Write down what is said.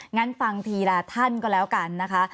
งั้นฟังทีละท่านก็แล้วกันนะคะ